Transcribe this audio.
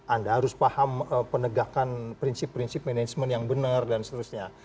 anda harus paham penegakan prinsip prinsip manajemen yang benar dan seterusnya